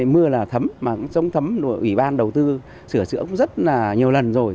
mưa là thấm mà cũng giống thấm ủy ban đầu tư sửa sữa cũng rất là nhiều lần rồi